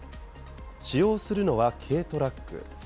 使用するのは軽トラック。